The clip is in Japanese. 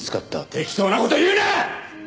適当な事を言うな！！